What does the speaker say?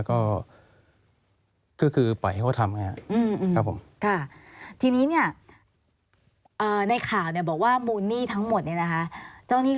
เจ้าหนี้รวมทั้งหมด๑๗คน